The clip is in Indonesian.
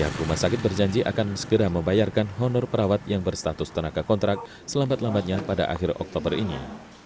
pihak rumah sakit berjanji akan segera membayarkan honor perawat yang berstatus tenaga kontrak selambat lambatnya pada akhir oktober ini